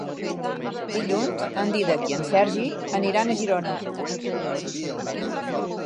Dilluns en Dídac i en Sergi aniran a Girona.